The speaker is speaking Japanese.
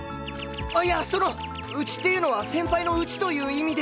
いやその家っていうのは先輩の家という意味で。